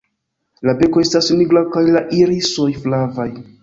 La beko estas nigra kaj la irisoj flavaj.